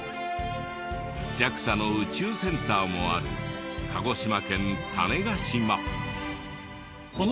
ＪＡＸＡの宇宙センターもある鹿児島県種子島。